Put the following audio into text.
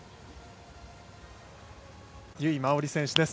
由井真緒里選手です。